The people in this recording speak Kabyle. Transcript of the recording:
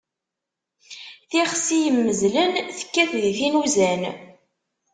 Tixsi yimmezlen, tekkat di tin uzan.